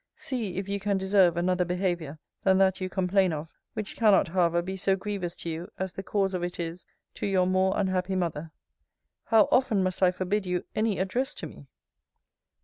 See, if you can deserve another behaviour, than that you complain of: which cannot, however be so grievous to you, as the cause of it is to Your more unhappy Mother. How often must I forbid you any address to me!